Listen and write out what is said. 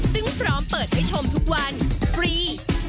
ซึ่งพร้อมเปิดให้ชมทุกวันฟรี